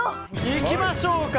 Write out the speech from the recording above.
いきましょうか！